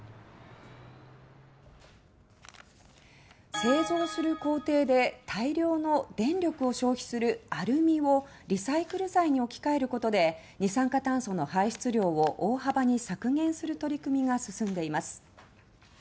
製造する工程で大量の電力を消費するアルミをリサイクル材に置き換えることで二酸化炭素の排出量を大幅に削減する取り組みが進んでいます。